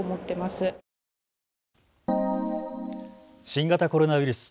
新型コロナウイルス。